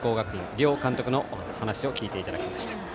両監督の話を聞いていただきました。